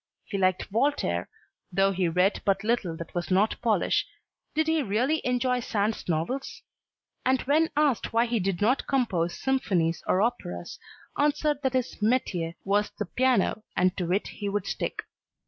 He liked Voltaire though he read but little that was not Polish did he really enjoy Sand's novels? and when asked why he did not compose symphonies or operas, answered that his metier was the piano, and to it he would stick.